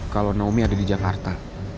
kalau naomi ada di jakarta